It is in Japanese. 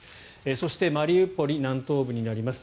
そして、マリウポリ南東部になります。